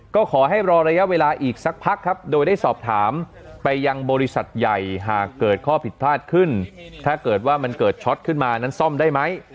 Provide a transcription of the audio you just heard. ก็ขอให้รอระยะเวลาอีกสักพักครับโดยได้สอบถามไปยังบริษัทใหญ่หากเกิดข้อผิดพลาดขึ้นถ้าเกิดว่ามันเกิดช็อตขึ้นมานั้นซ่อมได้ไหม